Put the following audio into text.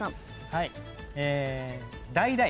はい。